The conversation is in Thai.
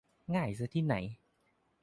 ง่ายซะที่ไหน